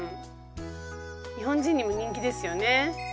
日本人にも人気ですよね。